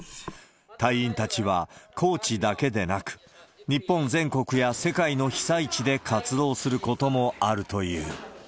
隊員たちは高知だけでなく、日本全国や世界の被災地で活動することもあるという。